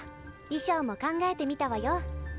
衣装も考えてみたわよ。